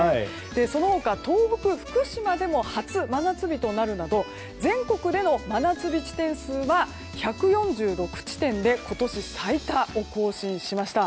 そのほか東北、福島でも真夏日となるなど全国での真夏日地点数は１４６地点で今年最多を更新しました。